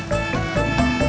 terima kasih bang